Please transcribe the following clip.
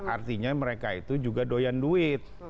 artinya mereka itu juga doyan duit